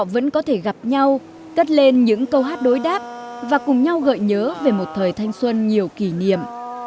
và cùng nhau gợi nhớ về một thời thanh xuân nhiều kỷ niệm